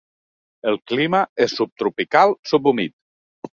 El clima és subtropical subhumit.